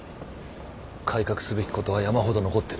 改革すべきことは山ほど残ってる。